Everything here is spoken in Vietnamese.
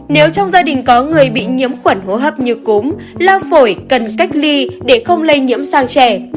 nếu trong gia đình có người bị nhiễm khuẩn hô hấp như cúm lao phổi cần cách ly để không lây nhiễm sang trẻ